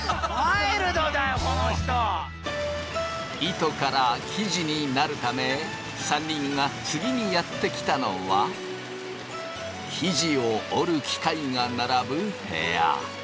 糸から生地になるため３人が次にやって来たのは生地を織る機械が並ぶ部屋。